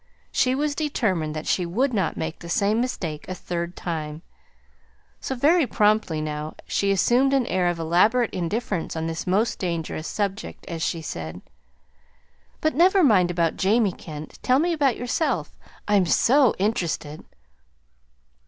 She was determined that she would not make the same mistake a third time; so very promptly now she assumed an air of elaborate indifference on this most dangerous subject, as she said: "But never mind about Jamie Kent. Tell me about yourself. I'm SO interested!"